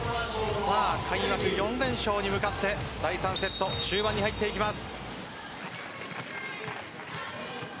開幕４連勝に向かって第３セット終盤に入っていきます。